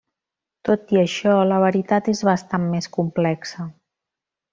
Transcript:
Tot i això, la veritat és bastant més complexa.